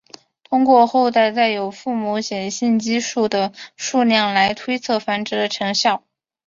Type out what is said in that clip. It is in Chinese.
通过后代带有父母显性基因的数量来推测繁殖的成效。